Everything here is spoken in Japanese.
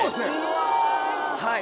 はい